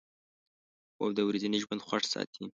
خوب د ورځني ژوند خوښ ساتي